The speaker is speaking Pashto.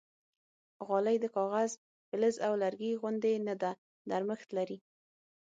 غالۍ د کاغذ، فلز او لرګي غوندې نه ده، نرمښت لري.